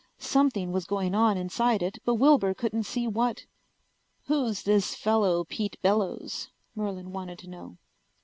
Something was going on inside it but Wilbur couldn't see what. "Who's this fellow Pete Bellows?" Merlin wanted to know.